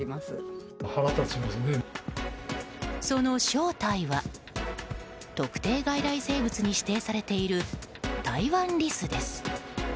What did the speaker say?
その正体は特定外来生物に指定されているタイワンリスです。